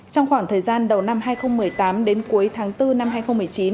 trong khoảng thời gian đầu năm hai nghìn một mươi tám đến cuối tháng bốn năm hai nghìn một mươi chín